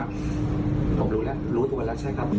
ผมรู้แล้วรู้อยู่กันวันแล้วใช่ครับ